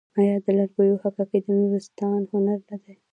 آیا د لرګیو حکاکي د نورستان هنر نه دی؟